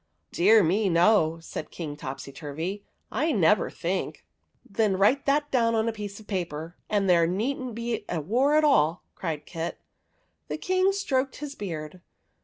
" Dear me, no," said King Topsyturvy. " I never think.'* OF THE WILLOW HERB n " Then write that down on a piece of paper, and there need n't be a war at all !" cried Kit. The King stroked his beard.